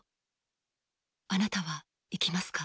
あなたは生きますか？